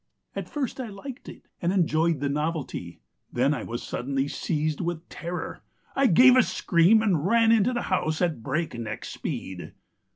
... At first I liked it, and enjoyed the novelty. Then I was suddenly seized with terror, I gave a scream, and ran into the house at breakneck speed.